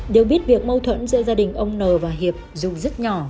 đều biết việc mâu thuẫn giữa gia đình ông n và hiệp dù rất nhỏ